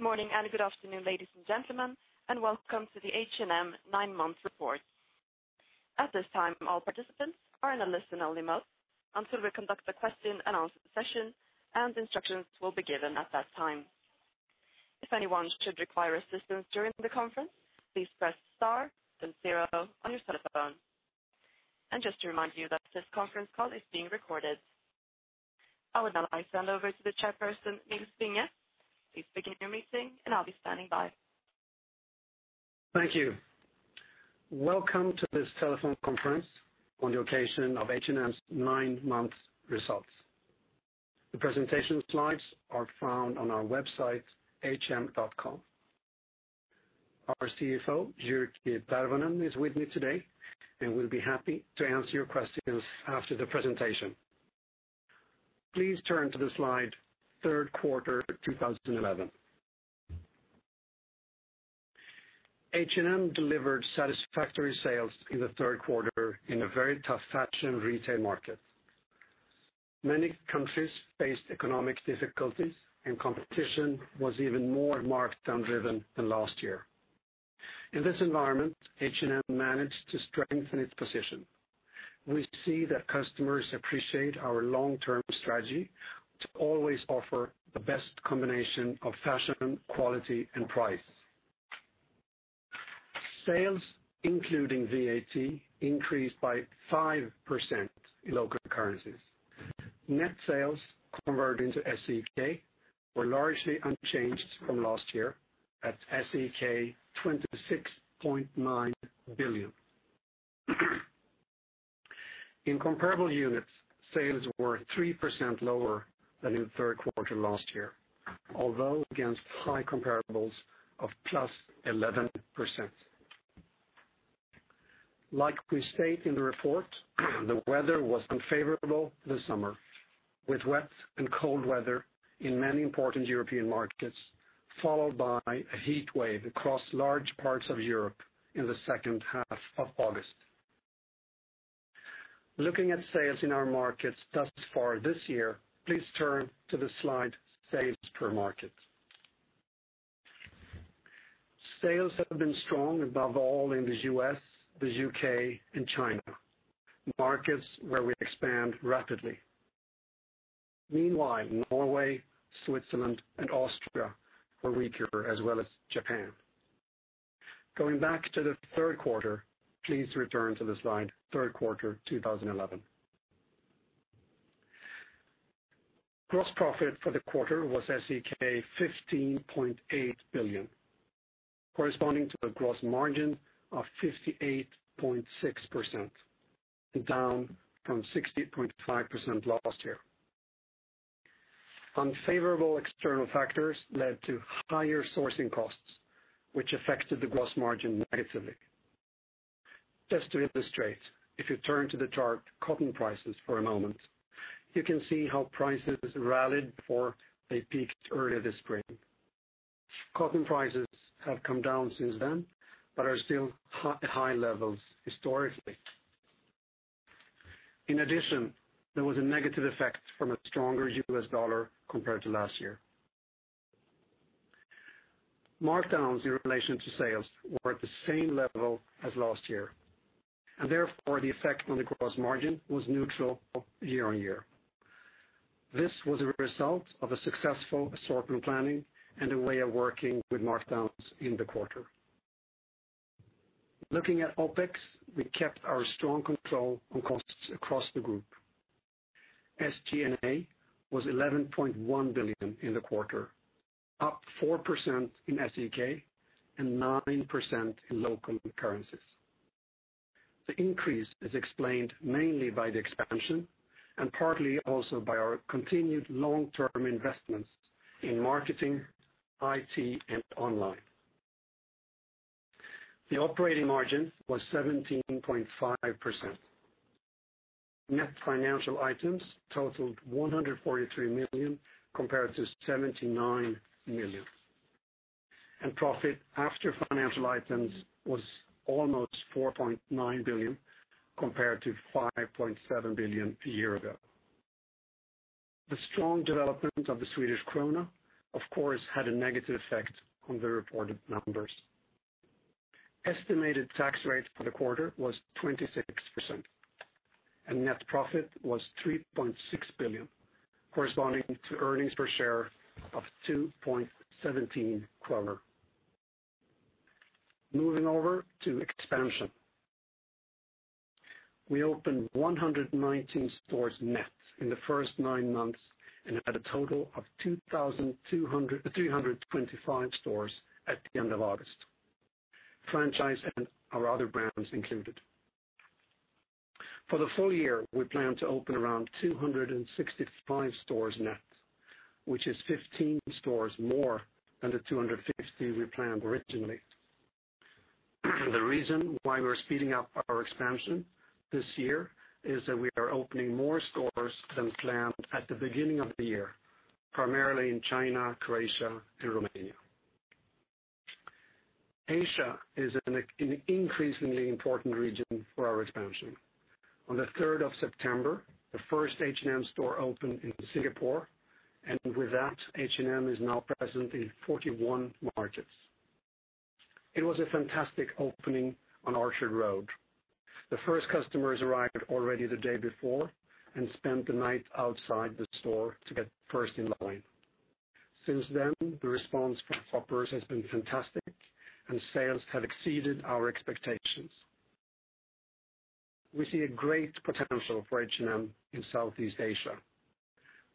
Good morning and good afternoon, ladies and gentlemen, and welcome to the H&M Nine-Month Report. At this time, all participants are in a listen-only mode until we conduct the question and answer session, and instructions will be given at that time. If anyone should require assistance during the conference, please press star and zero on your telephone. Just to remind you, this conference call is being recorded. I will now hand over to the Chairperson, Nils Vinge. Please begin your meeting, and I'll be standing by. Thank you. Welcome to this telephone conference on the occasion of H&M's Nine-Month Results. The presentation slides are found on our website, hm.com. Our CFO, Jyrki Tervonen, is with me today and will be happy to answer your questions after the presentation. Please turn to the slide Third Quarter, 2011. H&M delivered satisfactory sales in the third quarter in a very tough fashion retail market. Many countries faced economic difficulties, and competition was even more marked and driven than last year. In this environment, H&M managed to strengthen its position. We see that customers appreciate our long-term strategy to always offer the best combination of fashion, quality, and price. Sales, including VAT, increased by 5% in local currencies. Net sales, converted into SEK, were largely unchanged from last year at SEK 26.9 billion. In comparable units, sales were 3% lower than in the third quarter last year, although against high comparables of +11%. Like we state in the report, the weather was unfavorable this summer, with wet and cold weather in many important European markets, followed by a heatwave across large parts of Europe in the second half of August. Looking at sales in our markets thus far this year, please turn to the slide Sales Per Market. Sales have been strong, above all, in the U.S., the U.K., and China, markets where we expand rapidly. Meanwhile, Norway, Switzerland, and Austria were weaker, as well as Japan. Going back to the third quarter, please return to the slide Third Quarter, 2011. Gross profit for the quarter was SEK 15.8 billion, corresponding to a gross margin of 58.6%, and down from 60.5% last year. Unfavorable external factors led to higher sourcing costs, which affected the gross margin negatively. Just to illustrate, if you turn to the chart Cotton Prices for a moment, you can see how prices rallied before they peaked early this spring. Cotton prices have come down since then but are still at high levels historically. In addition, there was a negative effect from a stronger U.S. dollar compared to last year. Markdowns, in relation to sales, were at the same level as last year, and therefore the effect on the gross margin was neutral year on year. This was a result of a successful assortment planning and a way of working with markdowns in the quarter. Looking at OpEx, we kept our strong control on costs across the group. SG&A was 11.1 billion in the quarter, up 4% in SEK and 9% in local currencies. The increase is explained mainly by the expansion and partly also by our continued long-term investments in marketing, IT, and online. The operating margin was 17.5%. Net financial items totaled 143 million compared to 79 million, and profit after financial items was almost 4.9 billion compared to 5.7 billion a year ago. The strong development of the Swedish krona, of course, had a negative effect on the reported numbers. Estimated tax rate for the quarter was 26%, and net profit was 3.6 billion, corresponding to earnings per share of 2.17 kronor. Moving over to expansion, we opened 119 stores net in the first nine months and had a total of 2,325 stores at the end of August, franchise and our other brands included. For the full year, we plan to open around 265 stores net, which is 15 stores more than the 250 we planned originally. The reason why we're speeding up our expansion this year is that we are opening more stores than planned at the beginning of the year, primarily in China, Croatia, and Romania. Asia is an increasingly important region for our expansion. On the 3rd of September, the first H&M store opened in Singapore, and with that, H&M is now present in 41 markets. It was a fantastic opening on Orchard Road. The first customers arrived already the day before and spent the night outside the store to get first in line. Since then, the response from shoppers has been fantastic, and sales have exceeded our expectations. We see a great potential for H&M in Southeast Asia.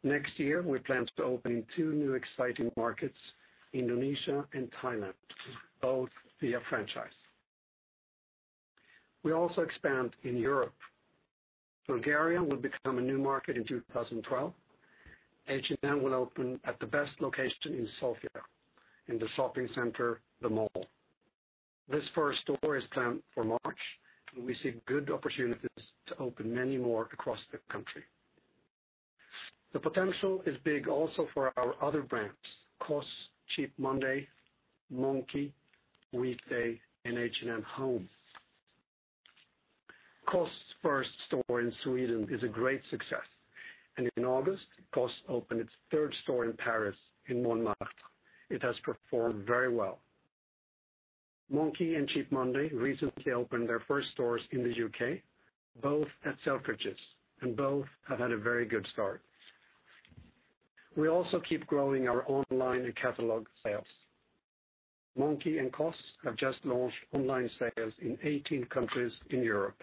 Next year, we plan to open in two new exciting markets, Indonesia and Thailand, both via franchise. We also expand in Europe. Bulgaria will become a new market in 2012. H&M will open at the best location in Sofia, in the shopping center, The Mall. This first store is planned for March, and we see good opportunities to open many more across the country. The potential is big also for our other brands, COS, Cheap Monday, Monki, Weekday, and H&M Home. COS's first store in Sweden is a great success, and in August, COS opened its third store in Paris, in Montmartre. It has performed very well. Monki and Cheap Monday recently opened their first stores in the UK, both at Selfridges, and both have had a very good start. We also keep growing our online and catalog sales. Monki and COS have just launched online sales in 18 countries in Europe.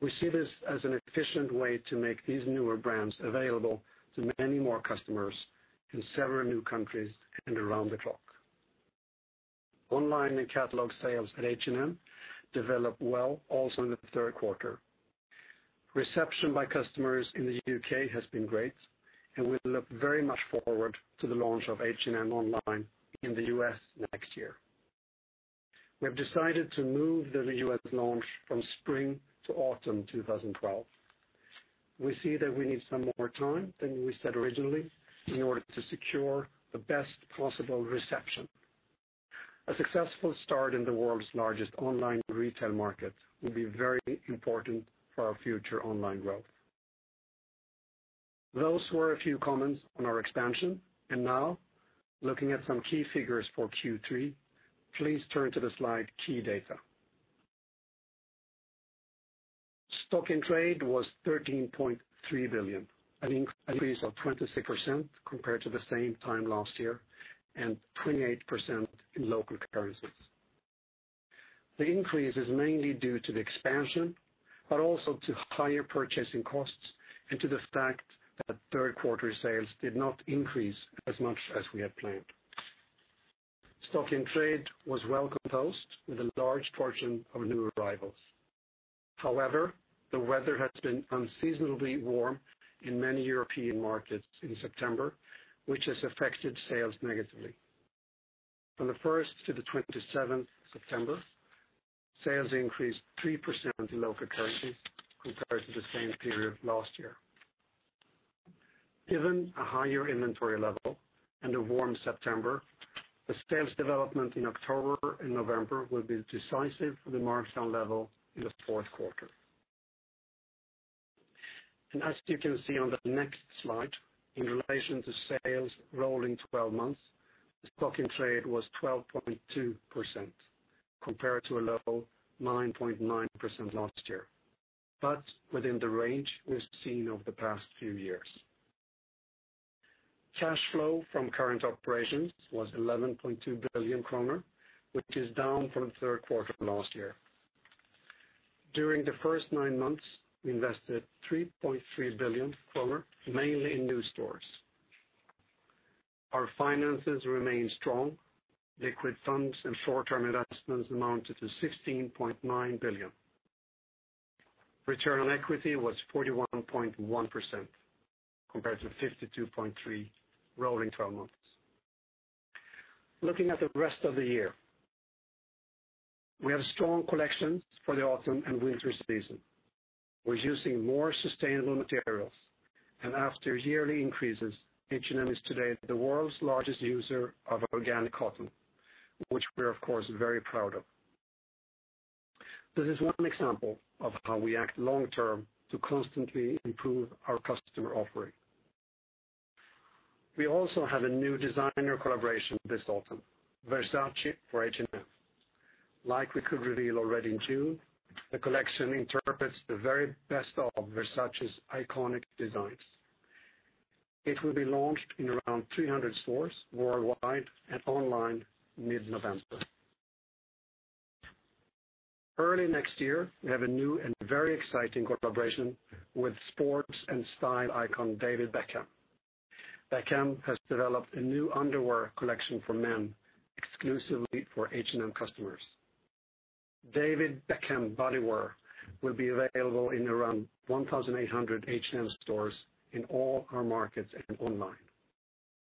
We see this as an efficient way to make these newer brands available to many more customers in several new countries and around the clock. Online and catalog sales at H&M developed well also in the third quarter. Reception by customers in the UK has been great, and we look very much forward to the launch of H&M online in the U.S. next year. We've decided to move the U.S. launch from spring to autumn 2012. We see that we need some more time than we said originally in order to secure the best possible reception. A successful start in the world's largest online retail market will be very important for our future online growth. Those were a few comments on our expansion, and now, looking at some key figures for Q3, please turn to the slide key data. Stock in trade was 13.3 billion, an increase of 26% compared to the same time last year and 28% in local currencies. The increase is mainly due to the expansion, but also to higher purchasing costs and to the fact that third-quarter sales did not increase as much as we had planned. Stock in trade was well composed with a large portion of new arrivals. However, the weather has been unseasonably warm in many European markets in September, which has affected sales negatively. From the 1st to the 27th of September, sales increased 3% in local currencies compared to the same period last year. Given a higher inventory level and a warm September, the sales development in October and November will be decisive with the markdown level in the fourth quarter. As you can see on the next slide, in relation to sales rolling 12 months, the stock in trade was 12.2% compared to a low 9.9% last year, but within the range we've seen over the past few years. Cash flow from current operations was 11.2 billion kronor, which is down from the third quarter last year. During the first nine months, we invested 3.3 billion kronor, mainly in new stores. Our finances remained strong. Liquid funds and short-term investments amounted to 15.9 billion. Return on equity was 41.1% compared to 52.3% rolling 12 months. Looking at the rest of the year, we have strong collections for the autumn and winter season. We're using more sustainable materials, and after yearly increases, H&M is today the world's largest user of organic cotton, which we're, of course, very proud of. This is one example of how we act long-term to constantly improve our customer offering. We also have a new designer collaboration this autumn, Versace for H&M. Like we could reveal already in June, the collection interprets the very best of Versace's iconic designs. It will be launched in around 300 stores worldwide and online mid-November. Early next year, we have a new and very exciting collaboration with sports and style icon David Beckham. Beckham has developed a new underwear collection for men, exclusively for H&M customers. David Beckham Bodywear will be available in around 1,800 H&M stores in all our markets and online.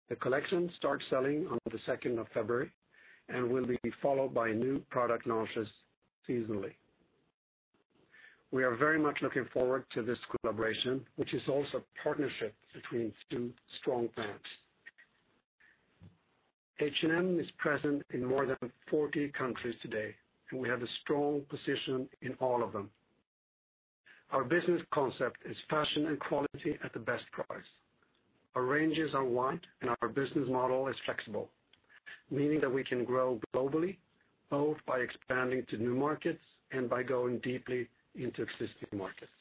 The collection starts selling on the 2nd of February and will be followed by new product launches seasonally. We are very much looking forward to this collaboration, which is also a partnership between two strong brands. H&M is present in more than 40 countries today, and we have a strong position in all of them. Our business concept is fashion and quality at the best price. Our ranges are wide, and our business model is flexible, meaning that we can grow globally, both by expanding to new markets and by going deeply into existing markets.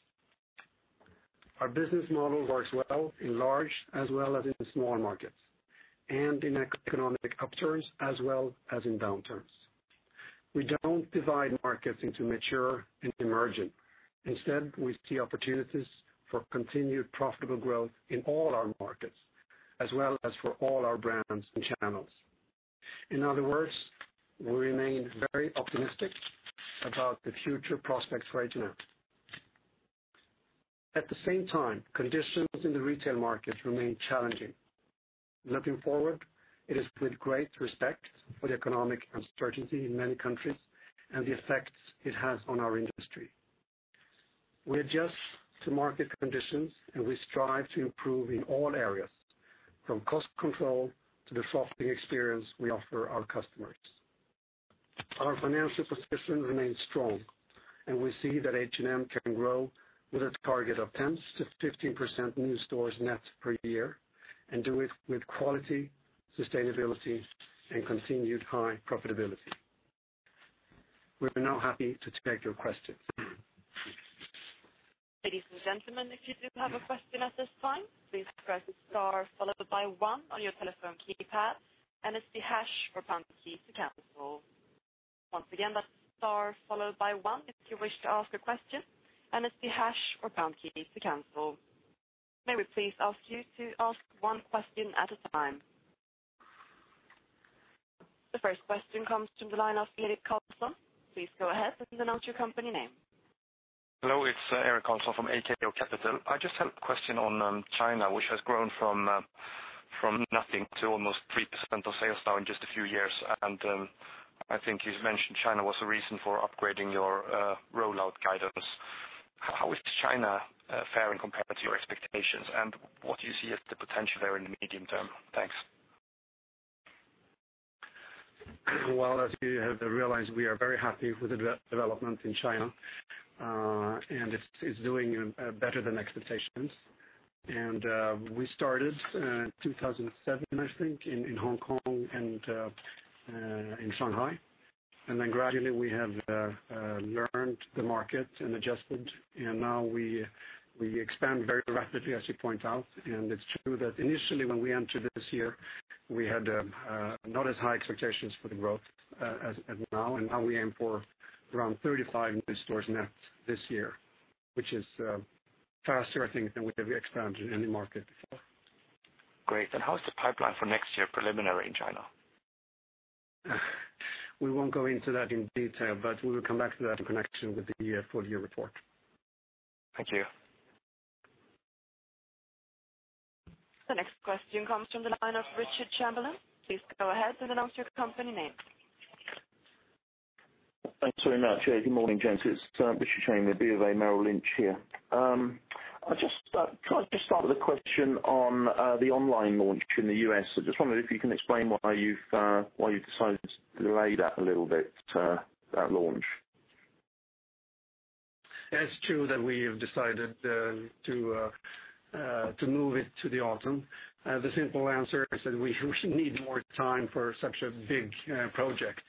Our business model works well in large as well as in small markets and in economic upturns as well as in downturns. We don't divide markets into mature and emerging. Instead, we see opportunities for continued profitable growth in all our markets, as well as for all our brands and channels. In other words, we remain very optimistic about the future prospects for H&M. At the same time, conditions in the retail markets remain challenging. Looking forward, it is with great respect for the economic uncertainty in many countries and the effects it has on our industry. We adjust to market conditions, and we strive to improve in all areas, from cost control to the shopping experience we offer our customers. Our financial position remains strong, and we see that H&M can grow with a target of 10%-15% new stores net per year and do it with quality, sustainability, and continued high profitability. We're now happy to take your questions. Ladies and gentlemen, if you do have a question at this time, please press star followed by one on your telephone keypad. It's the hash or pound key to cancel. Once again, that's star followed by one if you wish to ask a question. It's the hash or pound key to cancel. May we please ask you to ask one question at a time. The first question comes from the line of Erik Karlsson. Please go ahead and announce your company name. Hello, it's Erik Karlsson from AKO Capital. I just had a question on China, which has grown from nothing to almost 3% of sales now in just a few years. I think you mentioned China was a reason for upgrading your rollout guidance. How is China faring compared to your expectations, and what do you see as the potential there in the medium term? Thanks. As you have realized, we are very happy with the development in China, and it's doing better than expectations. We started in 2007, I think, in Hong Kong and in Shanghai. Then gradually, we have learned the market and adjusted, and now we expand very rapidly, as you point out. It's true that initially, when we entered this year, we had not as high expectations for the growth as now. Now we aim for around 35 new stores net this year, which is faster, I think, than we have expanded in any market before. Great. How's the pipeline for next year preliminary in China? We won't go into that in detail, but we will come back to that in connection with the full-year report. Thank you. The next question comes from the line of Richard Chamberlain. Please go ahead and announce your company name. Thanks very much. Good morning, gents. It's Richard Chamberlain with BofA Merrill Lynch here. I just wanted to start with a question on the online launch in the U.S. I just wondered if you can explain why you've decided to delay that a little bit, that launch. It's true that we have decided to move it to the autumn. The simple answer is that we need more time for such a big project,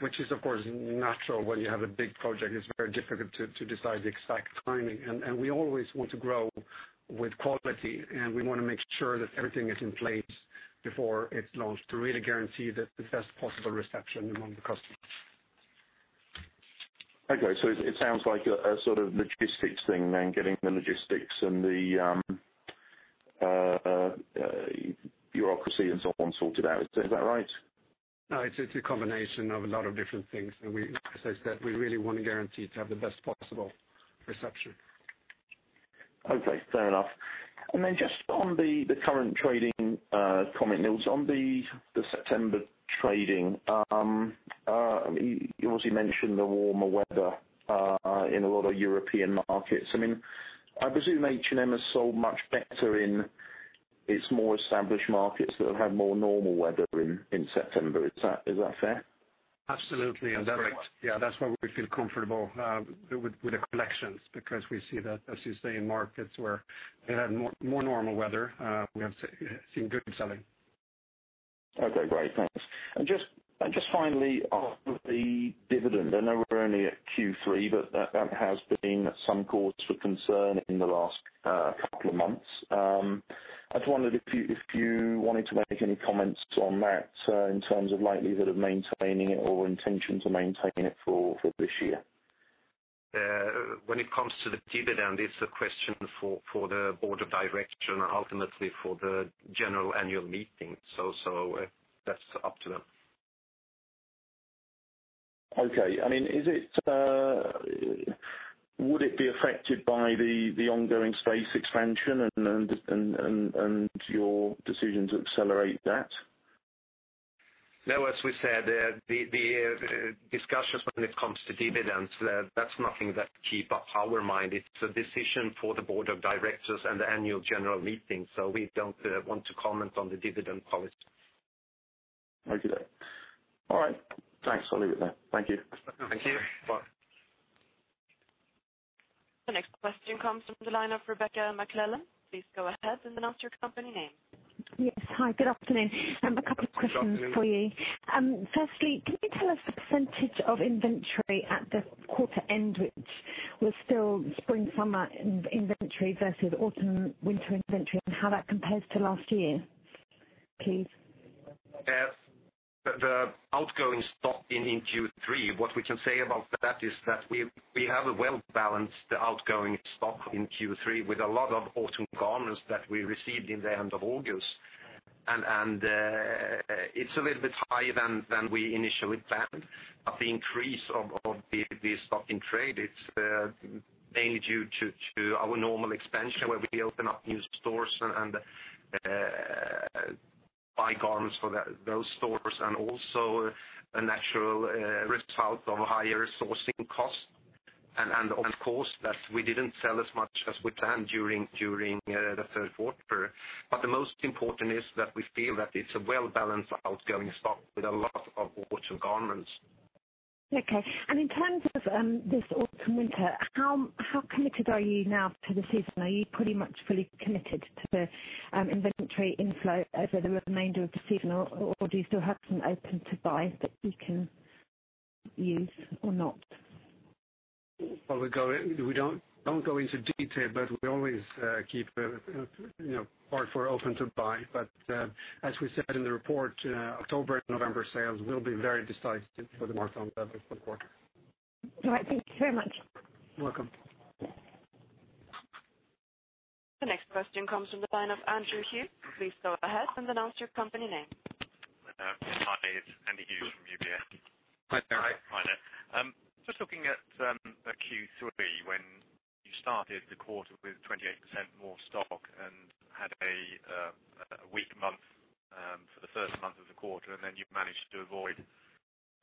which is, of course, natural when you have a big project. It is very difficult to decide the exact timing. We always want to grow with quality, and we want to make sure that everything is in place before it's launched to really guarantee the best possible reception among the customers. Okay. It sounds like a sort of logistics thing, then getting the logistics and the bureaucracy and so on sorted out. Is that right? No, it's a combination of a lot of different things. We, as I said, really want to guarantee to have the best possible reception. Okay. Fair enough. On the current trading comment, Nils, on the September trading, you obviously mentioned the warmer weather in a lot of European markets. I presume H&M has sold much better in its more established markets that have had more normal weather in September. Is that fair? Absolutely. That's why we feel comfortable with the collections, because we see that, as you say, in markets where they've had more normal weather, we have seen good selling. Okay. Great. Thanks. Just finally, on the dividend, I know we're only at Q3, but that has been at some courts for concern in the last couple of months. I just wondered if you wanted to make any comments on that in terms of like either maintaining it or intention to maintain it for this year. When it comes to the dividend, it's a question for the Board of Directors and ultimately for the general annual meeting. That's up to them. Okay. I mean, would it be affected by the ongoing space expansion and your decision to accelerate that? No, as we said, the discussion when it comes to dividends, that's nothing that keeps our mind. It's a decision for the Board of Directors and the Annual General Meeting. We don't want to comment on the dividend policy. Okay. All right. Thanks. I'll leave it there. Thank you. Thank you. Bye. The next question comes from the line of Rebecca McClellan. Please go ahead and announce your company name. Yes. Hi. Good afternoon. I have a couple of questions for you. Firstly, can you tell us the percentage of inventory at the quarter end, which was still spring/summer inventory versus autumn/winter inventory, and how that compares to last year, please? As the outgoing stock in Q3, what we can say about that is that we have a well-balanced outgoing stock in Q3 with a lot of autumn garments that we received in the end of August. It is a little bit higher than we initially planned. The increase of the stock in trade is mainly due to our normal expansion where we open up new stores and buy garments for those stores, and also a natural result of a higher sourcing cost. Of course, we didn't sell as much as we planned during the third quarter. The most important is that we feel that it's a well-balanced outgoing stock with a lot of autumn garments. Okay. In terms of this autumn/winter, how committed are you now to the season? Are you pretty much fully committed to the inventory inflow over the remainder of the season, or do you still have some open to buy that you can use or not? We do not go into detail, but we always keep parts we are open to buy. As we said in the report, October and November sales will be very decisive for the markdown level for the quarter. Right. Thank you very much. You're welcome. The next question comes from the line of Andrew Hughes. Please go ahead and announce your company name. Hi. It's Andy Hughes from UBS Investment Bank. Hi. Hi. Just looking at Q3, when you started the quarter with 28% more stock and had a weak month for the first month of the quarter, you managed to avoid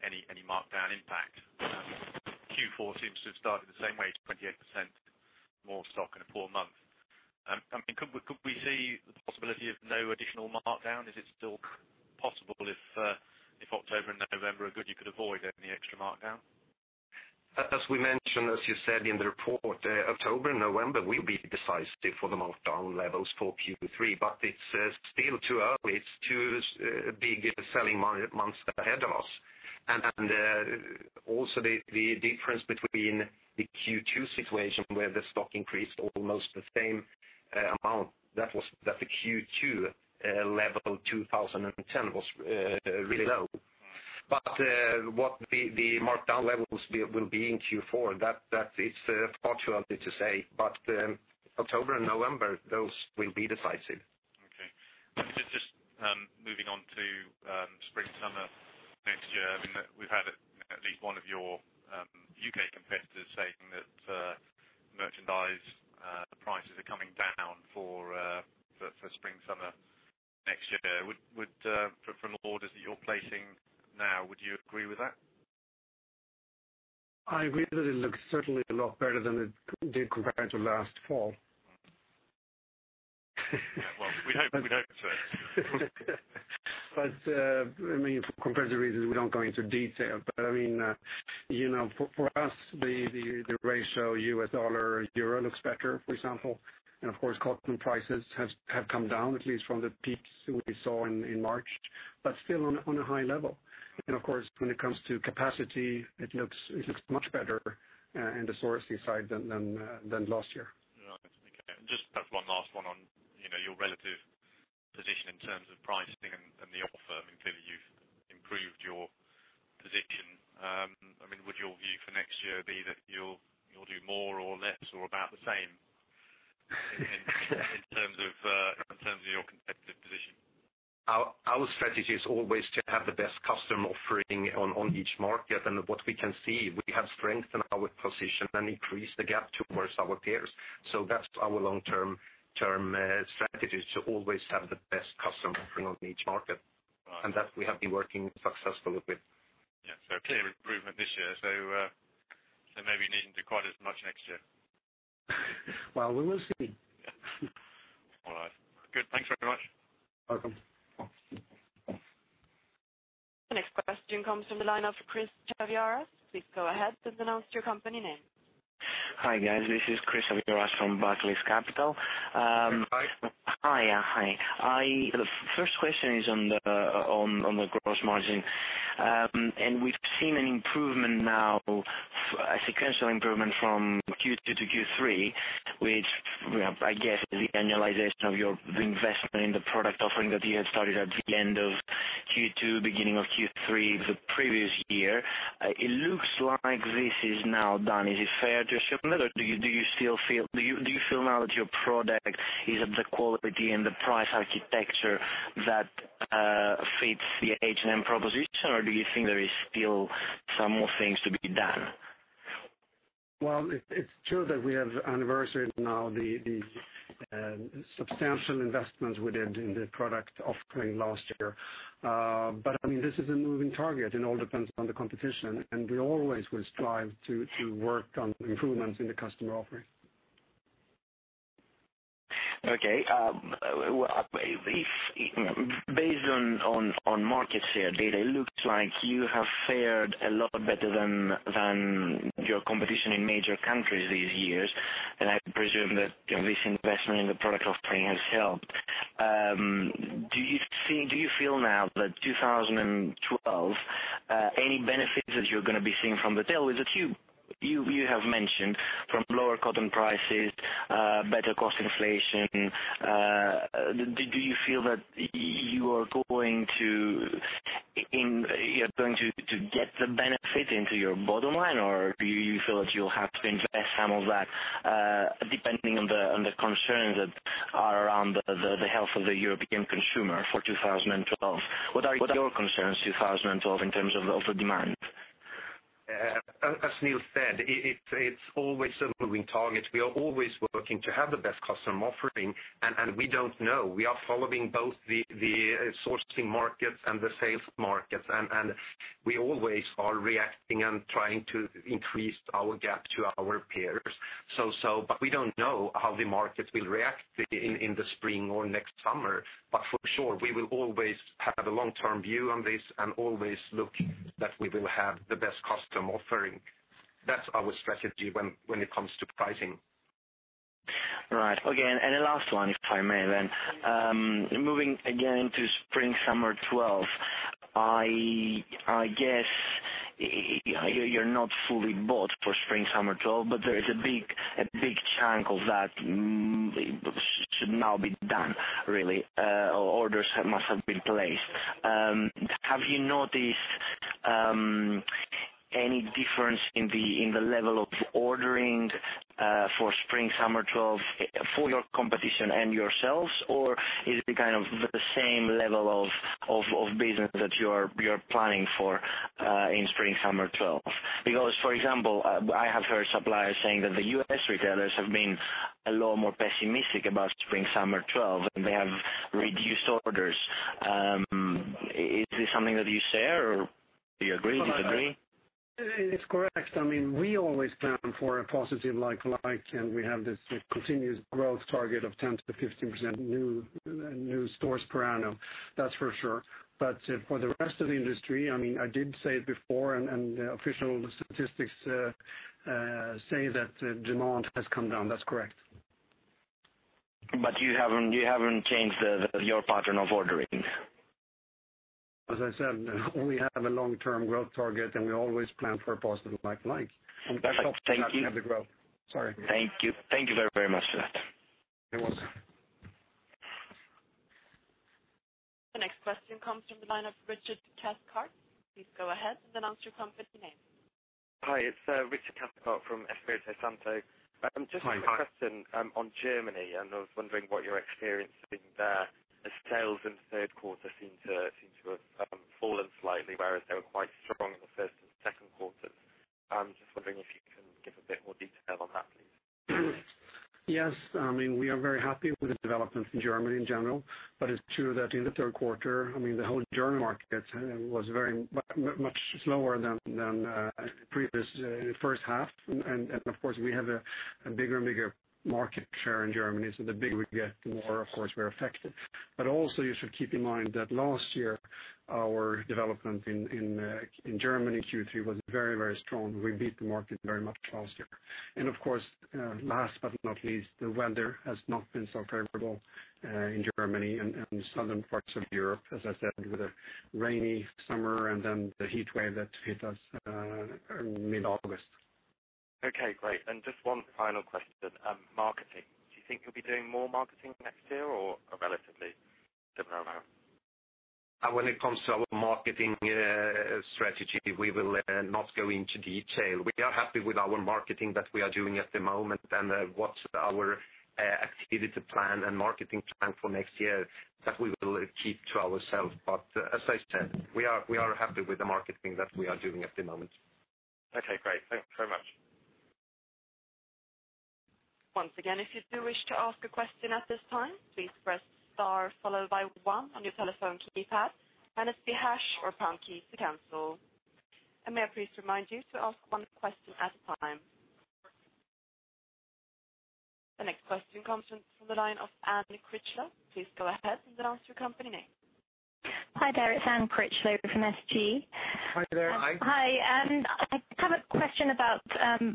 any markdown impact. Q4 seems to have started the same way, 28% more stock in a poor month. I mean, could we see the possibility of no additional markdown? Is it still possible if October and November are good, you could avoid any extra markdown? As we mentioned, as you said in the report, October and November will be decisive for the markdown levels for Q3, but it's still too early. It's two big selling months ahead of us. Also, the difference between the Q2 situation where the stock increased almost the same amount was that the Q2 level 2010 was really low. What the markdown levels will be in Q4 is far too early to say. October and November, those will be decisive. Okay. Just moving on to spring/summer next year, we've had at least one of your UK competitors saying that merchandise, the prices are coming down for spring/summer next year. From the orders that you're placing now, would you agree with that? I agree that it looks certainly a lot better than it did compared to last fall. We hope so. For comparison reasons, we don't go into detail. For us, the ratio US dollar/euro looks better, for example. Of course, cotton prices have come down, at least from the peaks we saw in March, but still on a high level. Of course, when it comes to capacity, it looks much better in the sourcing side than last year. Right. Okay. Just one last one on your relative position in terms of pricing and the other firm. Clearly, you've improved your position. Would your view for next year be that you'll do more, less, or about the same in terms of your competitive position? Our strategy is always to have the best custom offering on each market. We have strengthened our position and increased the gap towards our peers. That is our long-term strategy, to always have the best custom offering on each market, and we have been working successfully with that. Yeah, clearly improvement this year. Maybe needn't do quite as much next year. We will see. All right. Good, thanks very much. Welcome. The next question comes from the line of Chris Chaviaras. Please go ahead and announce your company name. Hi, guys. This is Chris Chaviaras from Barclays Capital. Hi. Hi. The first question is on the gross margin. We've seen an improvement now, a sequential improvement from Q2 to Q3, which, I guess, is the annualization of your investment in the product offering that you had started at the end of Q2, beginning of Q3 of the previous year. It looks like this is now done. Is it fair to assume that, or do you feel now that your product is of the quality and the price architecture that fits the H&M proposition, or do you think there are still some more things to be done? It is true that we have anniversaries now, the substantial investments we did in the product offering last year. This is a moving target, and it all depends on the competition. We always will strive to work on improvements in the customer offering. Okay. Based on market share data, it looks like you have fared a lot better than your competition in major countries these years. I presume that this investment in the product offering has helped. Do you feel now that in 2012, any benefits that you're going to be seeing from the tailwinds that you have mentioned from lower cotton prices, better cotton inflation? Do you feel that you are going to get the benefit into your bottom line, or do you feel that you'll have to invest some of that depending on the concerns that are around the health of the European consumer for 2012? What are your concerns in 2012 in terms of the upper demand? As Nils said, it's always a moving target. We are always working to have the best custom offering. We don't know. We are following both the sourcing markets and the sales markets. We always are reacting and trying to increase our gap to our peers. We don't know how the markets will react in the spring or next summer. For sure, we will always have a long-term view on this and always look that we will have the best custom offering. That's our strategy when it comes to pricing. Right. Okay. The last one, if I may then, moving again to spring/summer 2012, I guess you're not fully bought for spring/summer 2012, but there is a big chunk of that should now be done, really. Orders must have been placed. Have you noticed any difference in the level of ordering for spring/summer 2012 for your competition and yourselves, or is it kind of the same level of business that you are planning for in spring/summer 2012? For example, I have heard suppliers saying that the U.S. retailers have been a lot more pessimistic about spring/summer 2012, and they have reduced orders. Is this something that you share or do you agree? It's correct. I mean, we always plan for a positive like-like, and we have this continuous growth target of 10% to 15% new stores per annum. That's for sure. For the rest of the industry, I mean, I did say it before, and the official statistics say that demand has come down. That's correct. You haven't changed your pattern of ordering? As I said, we have a long-term growth target, and we always plan for a positive like-for-like. Thank you. The growth, sorry. Thank you. Thank you very, very much for that. You're welcome. The next question comes from the line of [Richard Tescart]. Please go ahead and announce your company name. Hi. It's [Richard Tescart from S&P Mellon & Ascendo]. Just a quick question on Germany, and I was wondering what your experience has been there as sales in the third quarter seem to have fallen slightly, whereas they were quite strong in the first and second quarters. I'm just wondering if you can give a bit more detail on that, please. Yes. I mean, we are very happy with the developments in Germany in general. It's true that in the third quarter, the whole German market was very much slower than the previous first half. Of course, we have a bigger and bigger market share in Germany. The bigger we get, the more, of course, we're affected. You should keep in mind that last year, our development in Germany Q3 was very, very strong. We beat the market very much last year. Last but not least, the weather has not been so favorable in Germany and in the southern parts of Europe, as I said, with a rainy summer and then the heatwave that hit us in mid-August. Okay. Great. Just one final question. Marketing. Do you think you'll be doing more marketing next year or a relatively similar amount? When it comes to our marketing strategy, we will not go into detail. We are happy with our marketing that we are doing at the moment and what our activity plan and marketing plan for next year are, we will keep to ourselves. We are happy with the marketing that we are doing at the moment. Okay. Great. Thanks very much. Once again, if you do wish to ask a question at this time, please press star followed by one on your telephone keypad. It is the hash or pound key to cancel. May I please remind you to ask one question at a time? The next question comes from the line of Anne Chritchlow. Please go ahead and announce your company name. Hi, there. It's Anne Critchlow from SG. Hi, there. Hi. I have a question about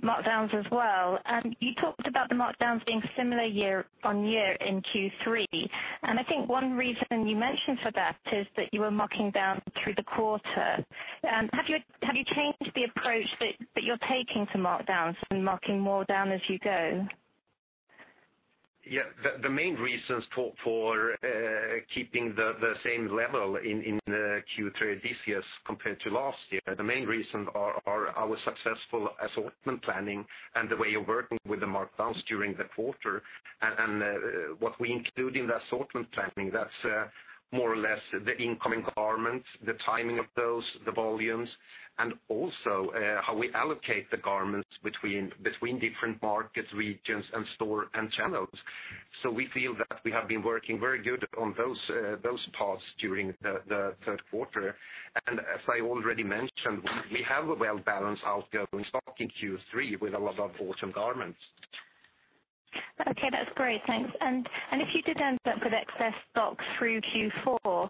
markdowns as well. You talked about the markdowns being similar year on year in Q3. I think one reason you mentioned for that is that you were marking down through the quarter. Have you changed the approach that you're taking to markdowns and marking more down as you go? Yeah. The main reasons for keeping the same level in Q3 this year as compared to last year, the main reasons are our successful assortment planning and the way of working with the markdowns during the quarter. What we include in the assortment planning, that's more or less the incoming garments, the timing of those, the volumes, and also how we allocate the garments between different markets, regions, and store and channels. We feel that we have been working very good on those parts during the third quarter. As I already mentioned, we have a well-balanced outgoing stock in Q3 with a lot of autumn garments. Okay. That's great. Thanks. If you did end up with excess stock through Q4,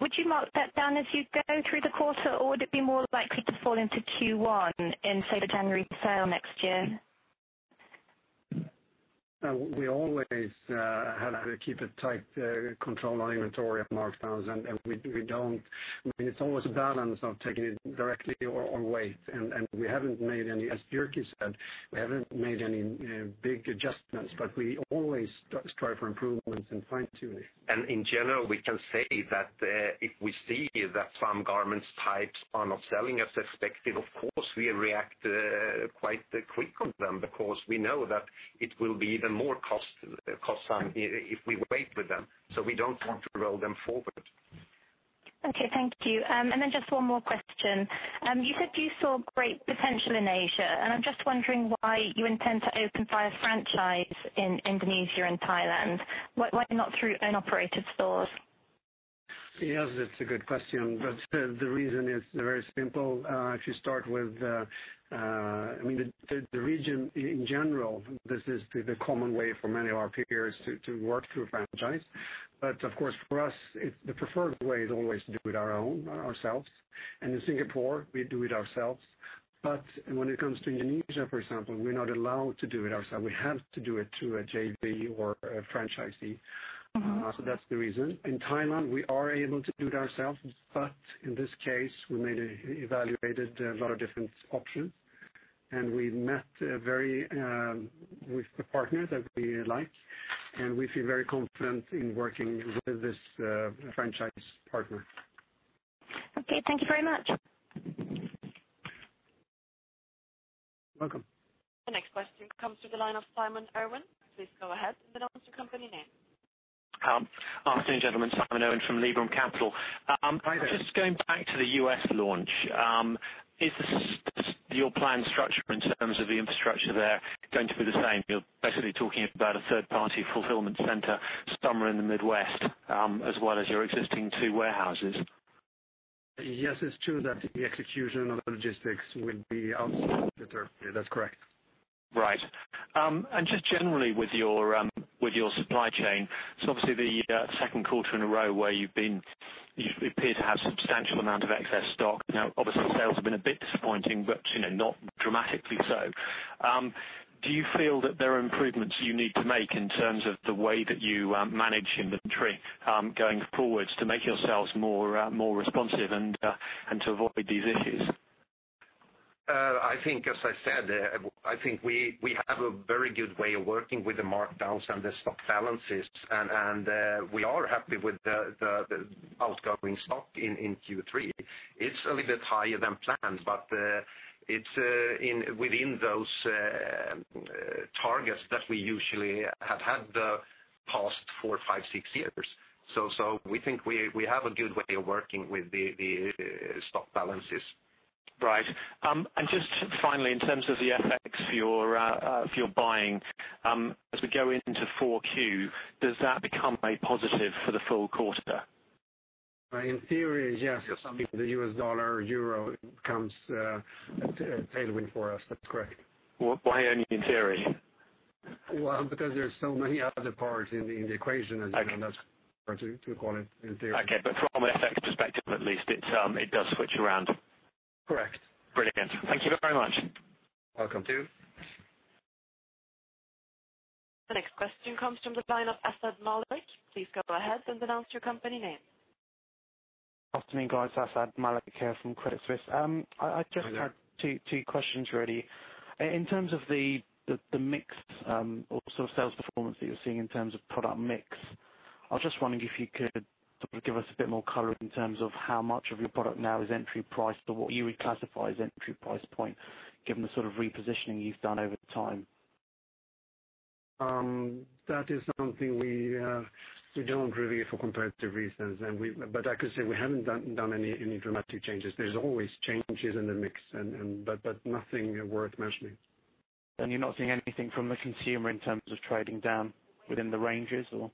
would you mark that down as you go through the quarter, or would it be more likely to fall into Q1 in, say, the January sale next year? We always have to keep a tight control on inventory of markdowns. It's always a balance of taking it directly or waiting. We haven't made any, as Jyrki Tervonen said, we haven't made any big adjustments, but we always strive for improvements and fine-tuning. In general, we can say that if we see that some garment types are not selling as expected, of course, we react quite quickly on them because we know that it will be more costly if we wait with them. We don't want to roll them forward. Okay. Thank you. Just one more question. You said you saw great potential in Asia, and I'm just wondering why you intend to open up a franchise in Indonesia and Thailand. Why not through owned operated stores? Yes, it's a good question. The reason is very simple. To start with, the region in general, this is the common way for many of our peers to work through a franchise. Of course, for us, the preferred way is always to do it on our own, ourselves. In Singapore, we do it ourselves. When it comes to Indonesia, for example, we're not allowed to do it ourselves. We have to do it through a JV or a franchisee. That's the reason. In Thailand, we are able to do it ourselves. In this case, we evaluated a lot of different options, and we met with a partner that we like. We feel very confident in working with this franchise partner. Okay, thank you very much. You're welcome. The next question comes through the line of Simon Owen. Please go ahead and announce your company name. Afternoon, gentlemen. [Simon Owen from Lieberman Capital]. Hi, there. Just going back to the U.S. launch, is your planned structure in terms of the infrastructure there going to be the same? You're basically talking about a third-party fulfillment center somewhere in the Midwest, as well as your existing two warehouses. Yes, it's true that the execution of the logistics would be outsourced. That's correct. Right. Just generally with your supply chain, it's obviously the second quarter in a row where you appear to have a substantial amount of excess stock. Obviously, the sales have been a bit disappointing, but not dramatically so. Do you feel that there are improvements you need to make in terms of the way that you manage inventory going forwards to make your sales more responsive and to avoid these issues? I think we have a very good way of working with the markdowns and the stock balances. We are happy with the outgoing stock in Q3. It's a little bit higher than planned, but it's within those targets that we usually have had the past four, five, six years. We think we have a good way of working with the stock balances. Right. Just finally, in terms of the FX for your buying, as we go into 4Q, does that become a positive for the full quarter? In theory, yes. It's something the U.S. dollar/euro becomes a tailwind for us. That's correct. Why only in theory? There are so many other parts in the equation, and that's hard to call it in theory. Okay. From an FX perspective, at least, it does switch around. Correct. Brilliant. Thank you very much. Welcome, too. The next question comes from the line of Asad Malik. Please go ahead and announce your company name. Afternoon, guys. Asad Malik here from Credit Suisse. Hi. I just had two questions really. In terms of the mixed or sort of sales performance that you're seeing in terms of product mix, I was just wondering if you could give us a bit more color in terms of how much of your product now is entry price to what you would classify as entry price point, given the repositioning you've done over time. That is something we don't review for comparative reasons. Like I said, we haven't done any dramatic changes. There's always changes in the mix, but nothing worth mentioning. You're not seeing anything from a consumer in terms of trading down within the ranges, or?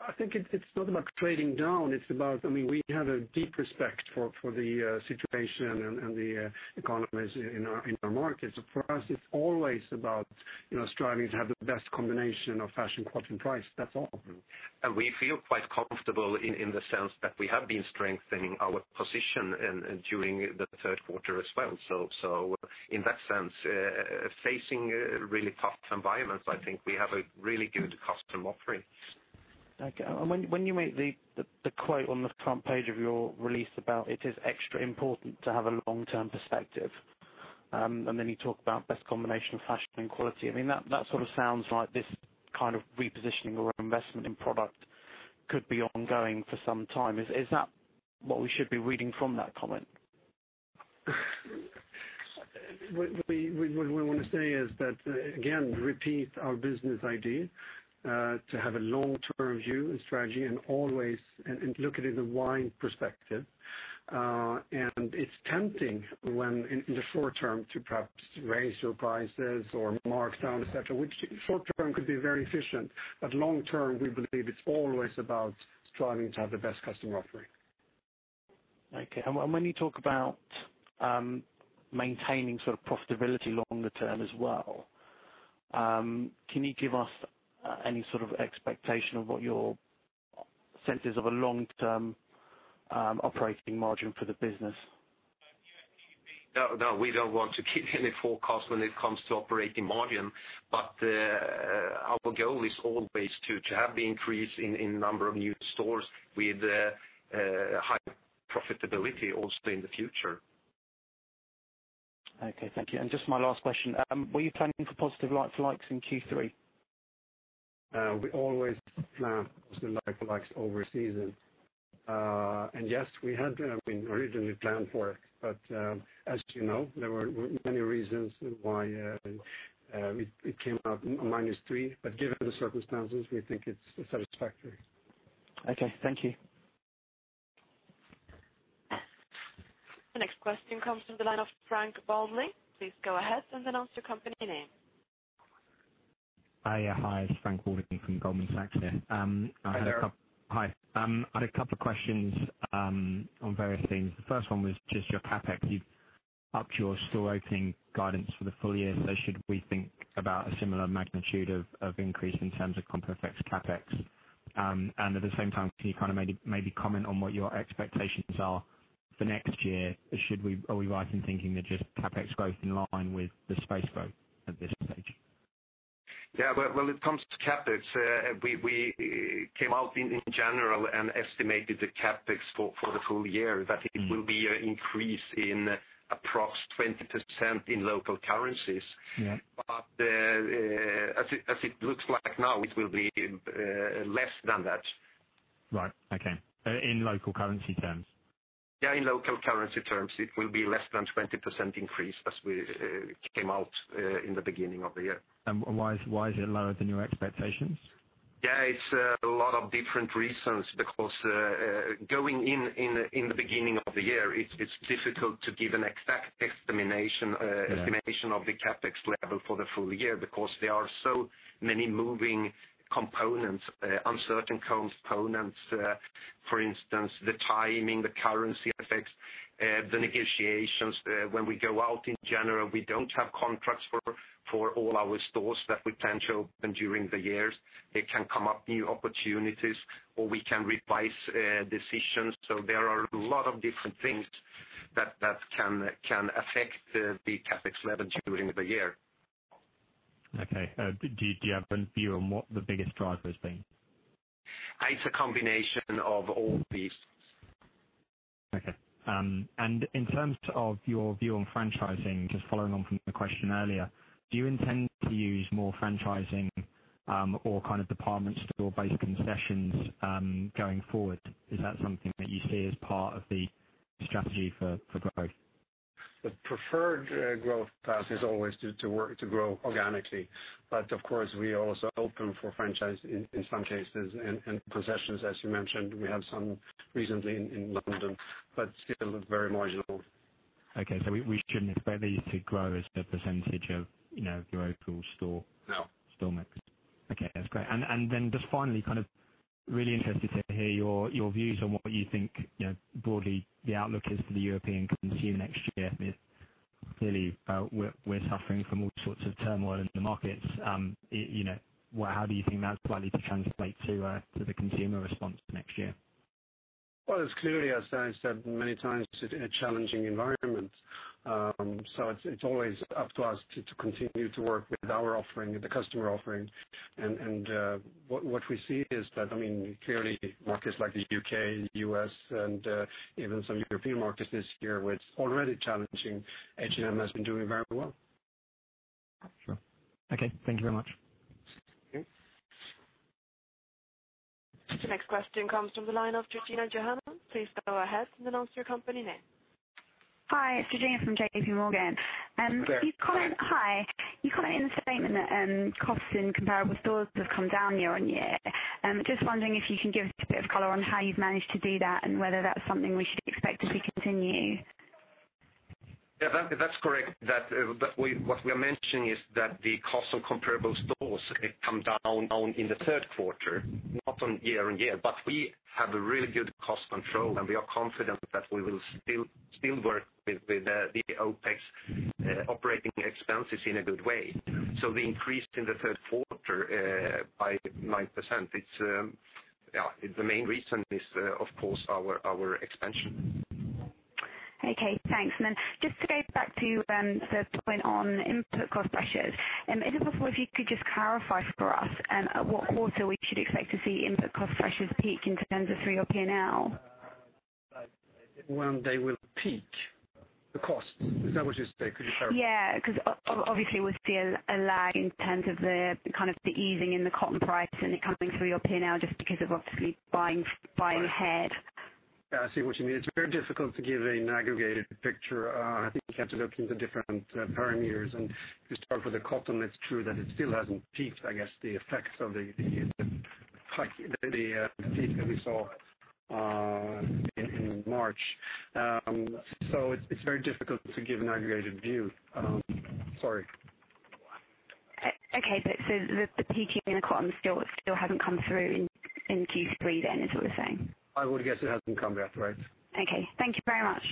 I think it's not about trading down. It's about, I mean, we have a deep respect for the situation and the economies in our markets. For us, it's always about striving to have the best combination of fashion, cotton, price. That's all. We feel quite comfortable in the sense that we have been strengthening our position during the third quarter as well. In that sense, facing really tough environments, I think we have a really good custom offering. When you made the quote on the front page of your release about it is extra important to have a long-term perspective, and then you talk about best combination of fashion and quality, I mean, that sort of sounds like this kind of repositioning or investment in product could be ongoing for some time. Is that what we should be reading from that comment? What I want to say is that, again, repeat our business idea to have a long-term view and strategy and always look at it in the wide perspective. It's tempting in the short term to perhaps raise your prices or markdown, which short term could be very efficient. Long term, we believe it's always about striving to have the best customer offering. Okay. When you talk about maintaining sort of profitability longer term as well, can you give us any sort of expectation of what your sense is of a long-term operating margin for the business? No, no. We don't want to give any forecast when it comes to operating margin. Our goal is always to have the increase in the number of new stores with high profitability also in the future. Thank you. Just my last question. Were you planning for positive like-likes in Q3? We always plan positive like-likes over season. Yes, we had, I mean, originally planned for it. As you know, there were many reasons why it came up +3%. Given the circumstances, we think it's satisfactory. Okay, thank you. The next question comes from the line of Frank Baldi. Please go ahead and announce your company name. Hi. It's Frank Baldi from Goldman Sachs here. Hello. I had a couple of questions on various themes. The first one was just your CapEx. You've upped your store opening guidance for the full year. Should we think about a similar magnitude of increase in terms of fixed CapEx? At the same time, can you maybe comment on what your expectations are for next year? Are we right in thinking that CapEx growth is in line with the space growth at this stage? It comes to CapEx. We came out in January and estimated the CapEx for the full year that it will be an increase of approximately 20% in local currencies, but as it looks like now, it will be less than that. Right. Okay. In local currency terms? Yeah, in local currency terms, it will be less than 20% increase as we came out in the beginning of the year. Why is it lower than your expectations? Yeah. It's a lot of different reasons because going in in the beginning of the year, it's difficult to give an exact estimation of the CapEx level for the full year because there are so many moving components, uncertain components. For instance, the timing, the currency effects, the negotiations. When we go out in general, we don't have contracts for all our stores that we plan to open during the years. It can come up new opportunities, or we can revise decisions. There are a lot of different things that can affect the CapEx level during the year. Okay. Do you have a view on what the biggest driver has been? It's a combination of all these. Okay. In terms of your view on franchising, just following on from the question earlier, do you intend to use more franchising or kind of department store-based concessions going forward? Is that something that you see as part of the strategy for growth? For sure, growth path is always to grow organically. Of course, we are also open for franchise in some cases and possessions, as you mentioned. We have some recently in London, but still very marginal. Okay. We shouldn't expect you to grow as a percentage of your overall store metrics. No. Okay. That's great. Finally, really interested to hear your views on what you think, you know, broadly the outlook is for the European consumer next year. Clearly, we're suffering from all sorts of turmoil in the markets. How do you think that's likely to translate to the consumer response for next year? It is clearly, as I said many times, in a challenging environment. It's always up to us to continue to work with our offering, the customer offering. What we see is that, I mean, clearly, markets like the UK, the U.S., and even some European markets this year were already challenging. H&M has been doing very well. Sure. Okay, thank you very much. Next question comes from the line of Georgina Johanan. Please go ahead and announce your company name. Hi. It's Georgina from JPMorgan. Hi there. Hi. You comment in the statement that cotton comparable stores have come down year on year. Just wondering if you can give us a bit of color on how you've managed to do that and whether that's something we should expect as we continue. Yeah, that's correct. What we are mentioning is that the cotton comparable stores have come down in the third quarter, not year on year. We have a really good custom flow, and we are confident that we will still work with the OpEx operating expenses in a good way. We increased in the third quarter by 9%. The main reason is, of course, our expansion. Okay. Thanks. Just to go back to the point on input cost pressures, is it possible if you could just clarify for us what we should expect to see input cost pressures peak in terms of Q3 or P&L? When will they peak, the costs? Is that what you're saying? Could you clarify? Yeah, because obviously we're still alive in terms of the kind of the easing in the cotton price and it coming through your P&L just because of obviously buying ahead. Yeah, I see what you mean. It's very difficult to give an aggregated picture. I think you have to look into different parameters. To start with the cotton, it's true that it still hasn't peaked. I guess the effects of the peak that we saw in March, so it's very difficult to give an aggregated view. Sorry. Okay, the peaking in the cotton still hasn't come through in Q3 then, is what you're saying? I would guess it hasn't come yet, right? Okay, thank you very much.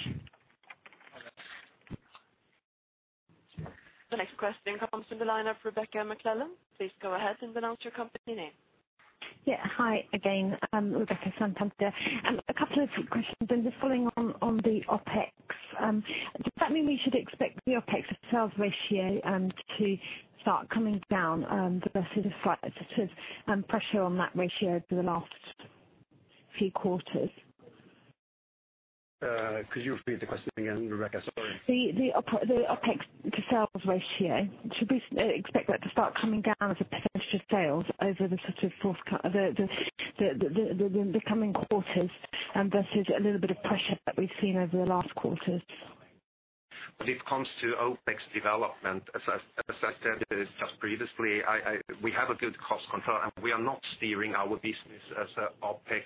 The next question comes from the line of Rebecca McClellan. Please go ahead and announce your company name. Hi again, Rebecca from Santander. A couple of questions, just following on the OpEx. Does that mean we should expect the OpEx to sales ratio to start coming down? There was slightly pressure on that ratio for the last few quarters? Could you repeat the question again, Rebecca? Sorry. The OpEx to sales ratio, should we expect that to start coming down as a percentage of sales over the coming quarters versus a little bit of pressure that we've seen over the last quarters? This comes to OpEx development. As I said just previously, we have good cost control, and we are not steering our business as an OpEx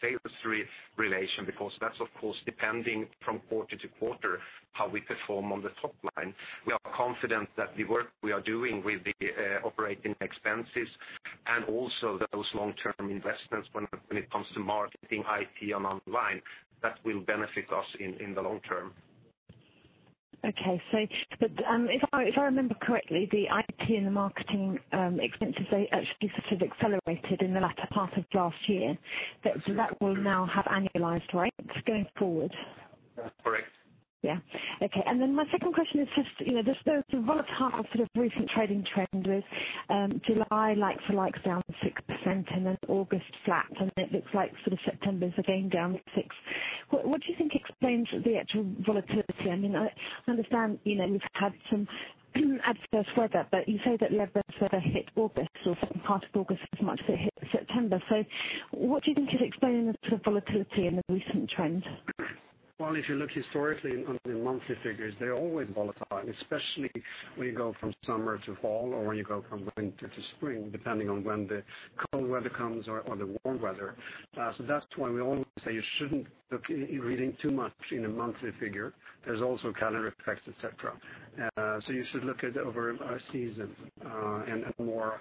sales relation before. That is, of course, depending from quarter to quarter how we perform on the top line. We are confident that the work we are doing with the operating expenses and also those long-term investments when it comes to marketing, IT, and online, will benefit us in the long term. Okay. If I remember correctly, the IT and the marketing expenses actually sort of accelerated in the latter part of last year. That will now have annualized rates going forward. Correct. Okay. My second question is just, you know, there's a sort of recent trading trend with July like-for-likes down 6% and then August flat. It looks like September is again down 6%. What do you think explains the actual volatility? I mean, I understand we've had some adverse weather, but you say that the adverse weather hit August or part of August as much as it hit September. What do you think should explain the sort of volatility in the recent trend? If you look historically in monthly figures, they're always volatile, especially when you go from summer to fall or when you go from winter to spring, depending on when the cold weather comes or the warm weather. That's why we always say you shouldn't look reading too much in a monthly figure. There are also calendar effects, etc. You should look at it over a season and at more,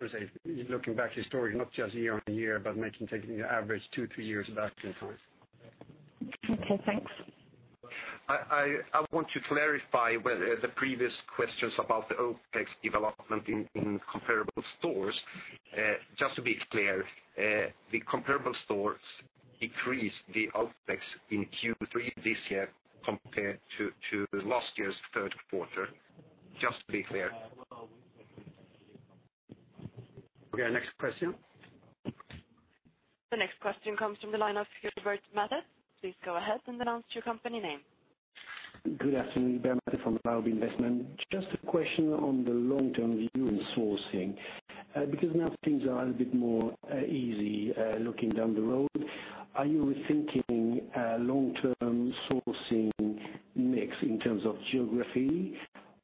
let's say, looking back historically, not just year on year, but taking the average two, three years back in time. Okay. Thanks. I want to clarify whether the previous questions were about the OpEx development in comparable stores. Just to be clear, the comparable stores increased the OpEx in Q3 this year compared to last year's third quarter. Okay, next question. The next question comes from the line of Hubert Mathis. Please go ahead and announce your company name. Good afternoon. Hubert Mathis from Dowdy Investment. Just a question on the long-term view in sourcing. Because now things are a little bit more easy looking down the road, are you rethinking a long-term sourcing mix in terms of geography,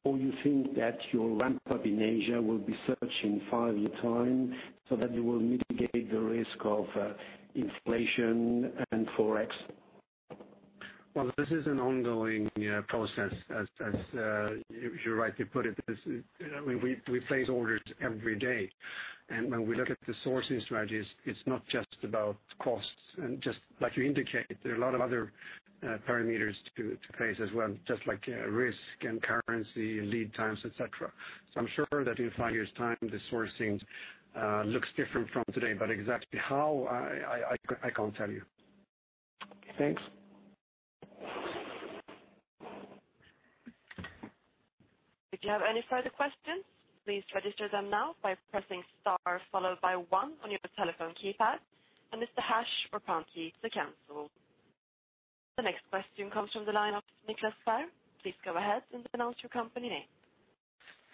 or do you think that your ramp-up in Asia will be set in five years' time so that you will mitigate the risk of inflation and forex? This is an ongoing process, as you're right to put it. We face orders every day. When we look at the sourcing strategies, it's not just about costs. Just like you indicate, there are a lot of other parameters to face as well, like risk and currency and lead times, etc. I'm sure that in five years' time, the sourcing looks different from today. Exactly how, I can't tell you. Okay. Thanks. If you have any further questions, please register them now by pressing star followed by one on your telephone keypad. It is the hash or pound key to cancel. The next question comes from the line of Nicholas Fehr. Please go ahead and announce your company name.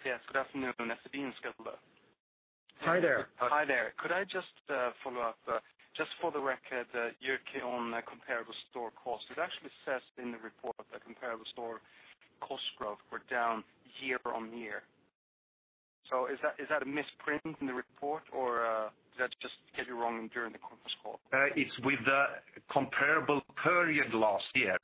Yes. Good afternoon. S&P Global. Hi there. Hi there. Could I just follow up? Just for the record, you're okay on comparable store costs. It actually says in the report that comparable store cost growth were down year on year. Is that a misprint in the report, or did I just get you wrong during the conference call? It's with the comparable period last year.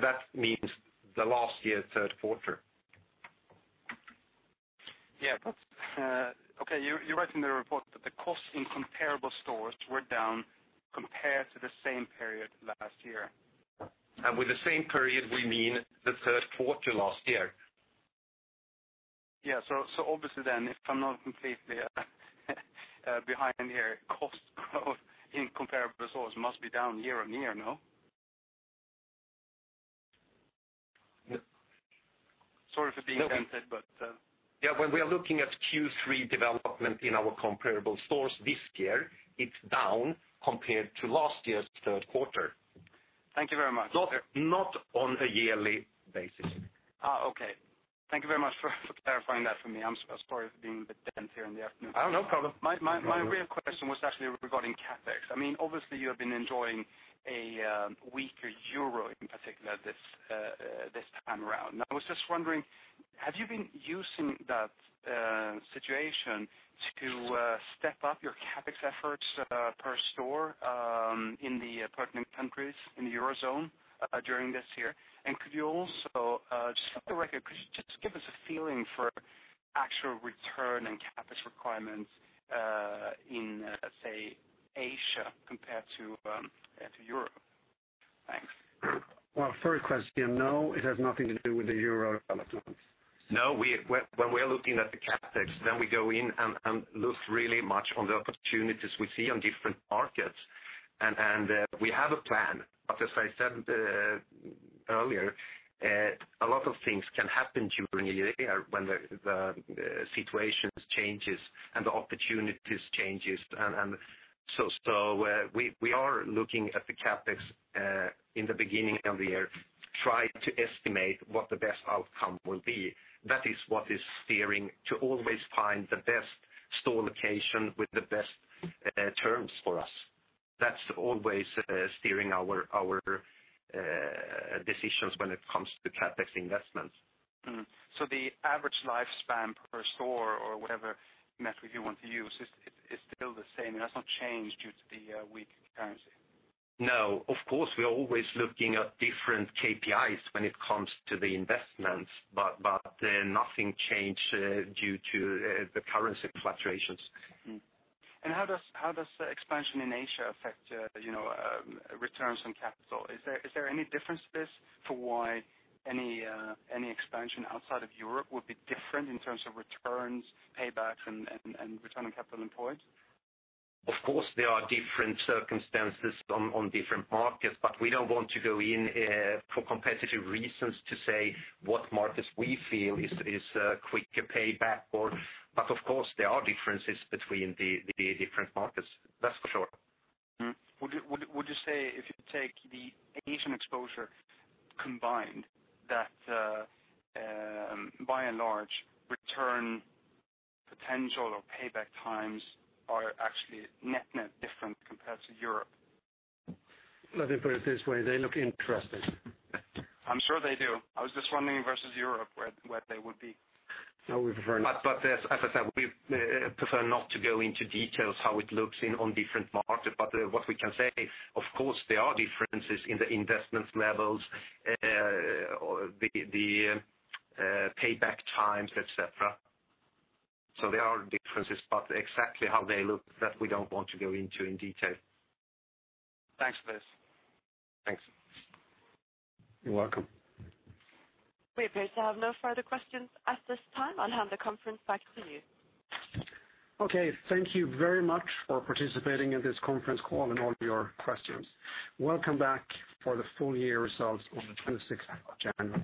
That means the last year, third quarter. Yeah. Okay. You write in the report that the cost in comparable stores were down compared to the same period last year. By the same period, we mean the third quarter last year. Yeah. If I'm not completely behind here, cost growth in comparable stores must be down year on year, no? Sorry for being tempted, but. Yeah. When we are looking at Q3 development in our comparable stores this year, it's down compared to last year's third quarter. Thank you very much. Not on a yearly basis. Okay. Thank you very much for clarifying that for me. I'm sorry for being a bit tense here in the afternoon. Oh, no problem. My real question was actually regarding CapEx. Obviously, you have been enjoying a weaker euro in particular this time around. I was just wondering, have you been using that situation to step up your CapEx efforts per store in the pertinent countries in the eurozone during this year? Could you also, just for the record, give us a feeling for actual return and CapEx requirements in, let's say, Asia compared to Europe? Thanks. No, it has nothing to do with the euro development. No, when we're looking at the CapEx, then we go in and look really much on the opportunities we see on different markets. We have a plan. As I said earlier, a lot of things can happen during the year when the situations change and the opportunities change. We are looking at the CapEx in the beginning of the year, try to estimate what the best outcome will be. That is what is steering to always find the best store location with the best terms for us. That's always steering our decisions when it comes to CapEx investments. Is the average lifespan per store or whatever metric you want to use still the same, and it has not changed due to the weak currency? No. Of course, we are always looking at different KPIs when it comes to the investments, but nothing changed due to the currency fluctuations. How does expansion in Asia affect returns on capital? Is there any difference to this for why any expansion outside of Europe would be different in terms of returns, payback, and return on capital employed? Of course, there are different circumstances on different markets, but we don't want to go in for competitive reasons to say what markets we feel is quicker payback. Of course, there are differences between the different markets. That's for sure. Would you say if you take the Asian exposure combined, that by and large, return potential or payback times are actually net-net different compared to Europe? Let me put it this way: they look interesting. I'm sure they do. I was just wondering versus Europe where they would be. No, we prefer not. As I said, we prefer not to go into details how it looks on different markets. What we can say, of course, is there are differences in the investment levels, the payback times, etc. There are differences, but exactly how they look, that we don't want to go into in detail. Thanks for this. Thanks. You're welcome. We appear to have no further questions at this time. I'll hand the conference back to you. Okay. Thank you very much for participating in this conference call and all your questions. Welcome back for the full-year results on the 26th of January.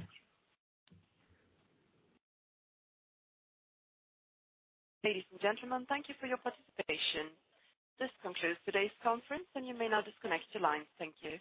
Ladies and gentlemen, thank you for your participation. This concludes today's conference, and you may now disconnect your lines. Thank you.